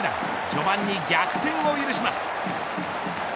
序盤に逆転を許します。